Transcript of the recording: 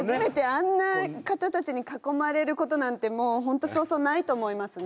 あんな方たちに囲まれることなんてもう本当そうそうないと思いますね。